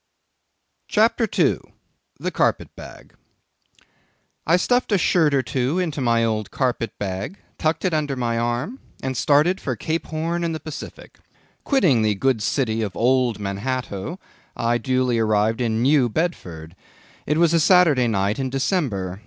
CHAPTER 2. The Carpet Bag. I stuffed a shirt or two into my old carpet bag, tucked it under my arm, and started for Cape Horn and the Pacific. Quitting the good city of old Manhatto, I duly arrived in New Bedford. It was a Saturday night in December.